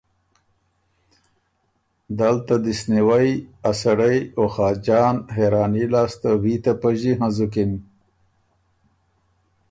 دل ته دِست نیوئ ا سړئ او خاجان حېراني لاسته ویته پݫی هںزُکِن